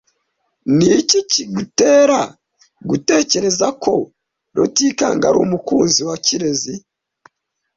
Niki kigutera gutekereza ko Rutikanga ari umukunzi wa Kirezi ?